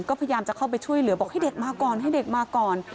ก็พยายามจะเข้าไปช่วยเหลือบอกให้เด็กมาก่อนให้เด็กมาก่อน